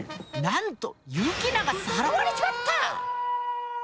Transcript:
なんとユキナがさらわれちまった！